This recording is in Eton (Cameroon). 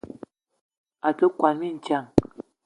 A te kwuan mintsang.